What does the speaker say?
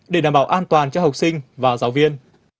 để đảm bảo an toàn cho học sinh và giáo viên